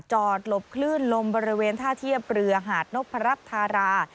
หลบคลื่นลมบริเวณท่าเทียบเรือหาดนพรัชธารา